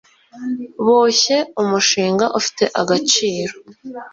boshye umushinga ufite agaciro